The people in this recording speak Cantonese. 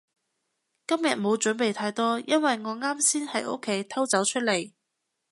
今日冇準備太多，因為我啱先喺屋企偷走出嚟